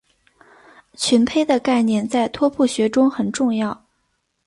群胚的概念在拓扑学中很重要。